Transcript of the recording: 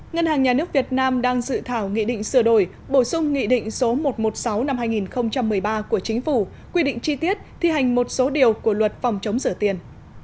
ngân hàng nhà nước việt nam đang dự thảo nghị định sửa đổi bổ sung nghị định số một trăm một mươi sáu năm hai nghìn một mươi ba của chính phủ quy định chi tiết thi hành một số điều của luật phòng chống rửa tiền